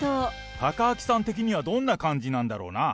貴明さん的にはどんな感じなんだろうな。